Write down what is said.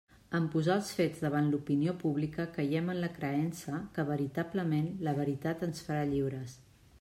En posar els fets davant l'opinió pública caiem en la creença que veritablement «la veritat ens farà lliures».